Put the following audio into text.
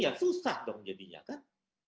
ya susah dong jadinya kan